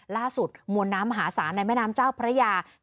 ล่าสุดมวลน้ำมหาศาลในแม่น้ำเจ้าพระราชนา